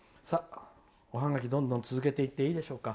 おハガキどんどん続けていっていいでしょうか。